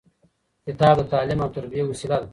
کتاب د تعلیم او تربیې وسیله ده.